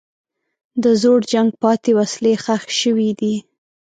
د زوړ جنګ پاتې وسلې ښخ شوي دي.